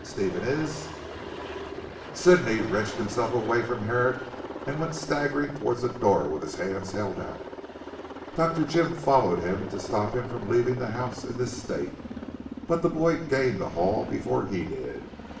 Stephen is " Sidney wrenched himself away from Herrick and went staggering towards the door with his hands held out. Dr. Jim followed him to stop him from leaving the house in this state. But the boy gained the hall before he did.